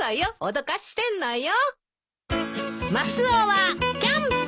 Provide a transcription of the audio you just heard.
脅かしてんのよ。